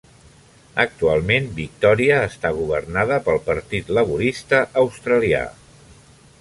Actualment Victoria està governada pel Partit Laborista Australià.